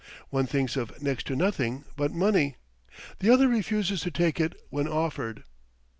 One thinks of next to nothing but money, the other refuses to take it when offered.